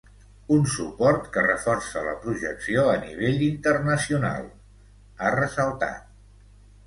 “Un suport que reforça la projecció a nivell internacional”, ha ressaltat.